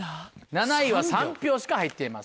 ７位は３票しか入っていません。